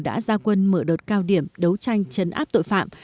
đã ra quân mở đột cao điểm đấu tranh chấn áp tội phạm